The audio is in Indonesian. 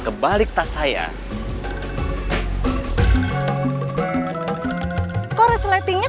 ke klassennya selalu terpukang